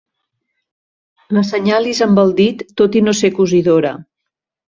L'assenyalis amb el dit, tot i no ser cosidora.